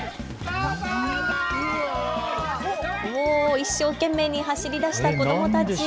一生懸命に走り出した子どもたち。